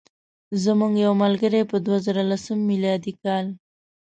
زموږ یو ملګری په دوه زره لسم میلادي کال.